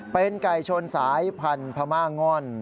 เป็นไก่ชนสายพันธุ์พม่าง่อน